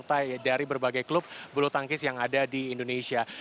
partai dari berbagai klub bulu tangkis yang ada di indonesia